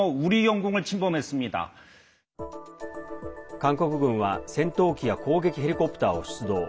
韓国軍は戦闘機や攻撃ヘリコプターを出動。